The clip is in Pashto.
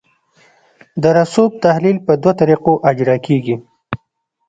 د رسوب تحلیل په دوه طریقو اجرا کیږي